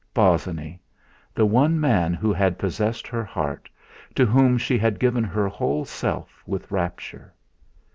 Bosinney the one man who had possessed her heart, to whom she had given her whole self with rapture!